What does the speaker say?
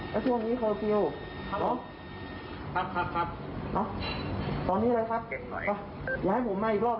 พี่พูดดียังไงครับ